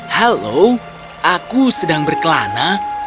halo aku sedang berkelana